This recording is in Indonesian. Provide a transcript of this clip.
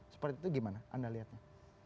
seperti itu gimana anda lihatnya